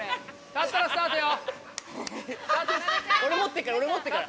立ったらスタートよ。